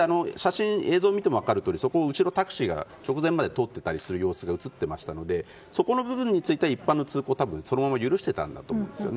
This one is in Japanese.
映像を見ても分かるとおり後ろをタクシーが直前まで通ってる様子が映ってましたのでそこの部分については一般の通行は許していたと思うんです。